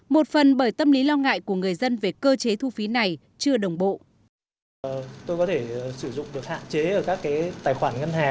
một phần bởi tâm lý lo ngại của người dân về cơ chế thu phí này chưa đồng bộ